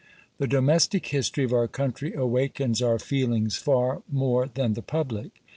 The domestic history of our country awakens our feelings far more than the public.